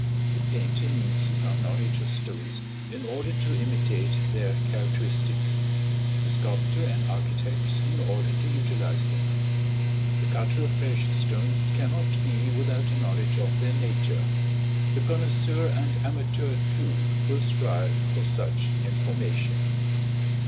The painter needs some knowledge of stones in order to imitate their characteristics; the sculptor and architect, in order to utilize them; the cutter of precious stones cannot be without a knowledge of their nature; the connoisseur and amateur, too, will strive for such information.